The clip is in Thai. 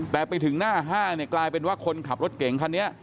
แต่ไปถึงหน้าห้างเนี่ยกลายเป็นว่าคนขับรถเก่งคันนี้